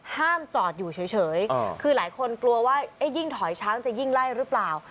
ห้ามจอดอยู่เฉยคือหลายคนกลัวว่ายิ่งถอยช้างจะยิ่งไล่หรือเปล่า